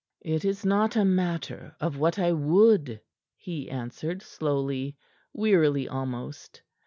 "It is not a matter of what I would," he answered slowly, wearily almost.